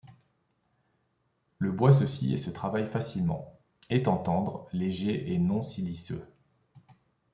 Le bois se scie et se travaille facilement, étant tendre, léger et non siliceux.